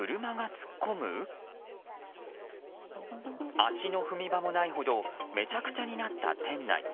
足の踏み場もないほどめちゃくちゃになった店内。